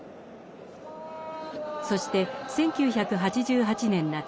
そして１９８８年夏。